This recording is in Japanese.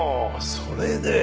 それで。